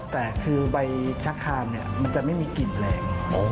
แต่คือใบชะคามมันจะไม่มีกลิ่นแรง